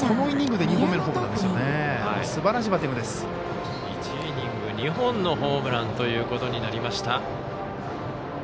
１イニング２本のホームランということになりました。